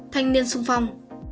thanh niên sung phong